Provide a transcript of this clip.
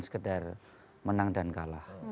sekedar menang dan kalah